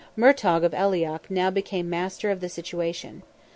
Murtogh of Aileach now became master of the situation.